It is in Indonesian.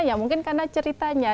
ya mungkin karena ceritanya